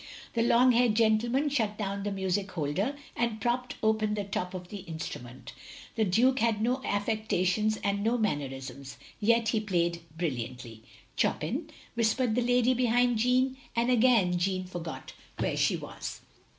The long haired gentleman shut down the music holder, and propped open the top of the instrument. The Duke had no affectations and no manner isms; yet he played brilliantly. "Chopin," whispered the lady behind Jeanne. And again Jeanne forgot where she was.